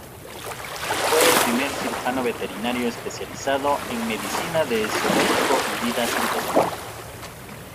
Fue el primer cirujano veterinario especializado en medicina de zoológico y vida silvestre.